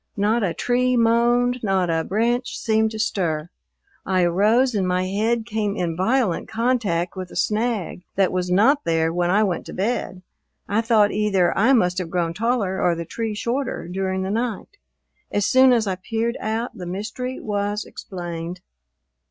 Not a tree moaned, not a branch seemed to stir. I arose and my head came in violent contact with a snag that was not there when I went to bed. I thought either I must have grown taller or the tree shorter during the night. As soon as I peered out, the mystery was explained.